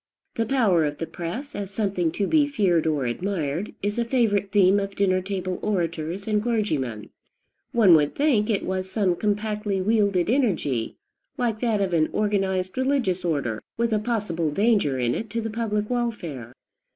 "The power of the press," as something to be feared or admired, is a favorite theme of dinner table orators and clergymen. One would think it was some compactly wielded energy, like that of an organized religious order, with a possible danger in it to the public welfare.